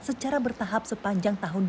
secara bertahap sepanjang tahun